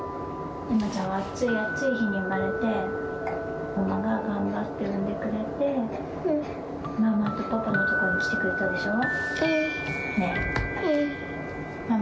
えまちゃんは暑い暑い日に産まれて、ママが頑張って産んでくれて、ママとパパのところに来てくれたでしょう。